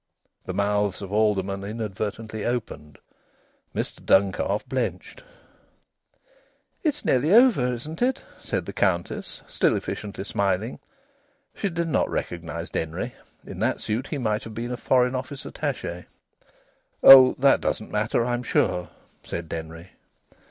The mouths of aldermen inadvertently opened. Mr Duncalf blenched. "It's nearly over, isn't it?" said the Countess, still efficiently smiling. She did not recognise Denry. In that suit he might have been a Foreign Office attaché. "Oh! that doesn't matter, I'm sure," said Denry.